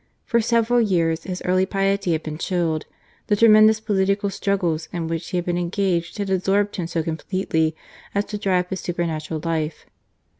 For several years his early piety had been chilled. The tremendous political struggles in which he had been engaged had absorbed him so completely as to dry up his supernatural life.